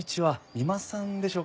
三馬さんでしょうか？